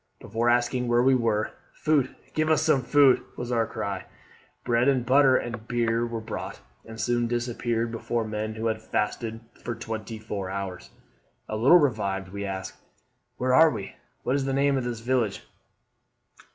Before asking where we were, 'Food, give as some food!' was our cry. Bread and butter and beer were brought, and soon disappeared before men who had fasted for twenty four hours. A little revived, we ask, 'Where are we? what is the name of this village?'